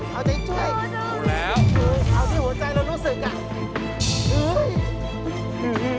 เอาใจช่วยเข้าแล้วเอาที่หัวใจเรารู้สึก